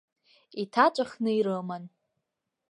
Иҭаҵәахны ирыман.